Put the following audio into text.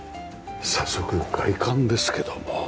早速外観ですけども。